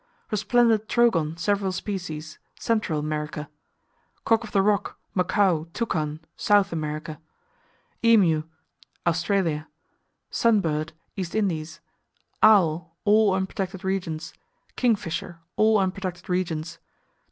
Resplendent Trogon, several species Central America. Cock of the Rock South America. Macaw South America. Toucan South America. Emu Australia. Sun Bird East Indies. Owl All unprotected regions. Kingfisher All unprotected regions.